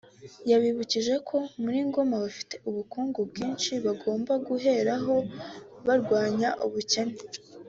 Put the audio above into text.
yabibukije ko muri Ngoma bafite ubukungu bwinshi bagomba guheraho barwanya ubukene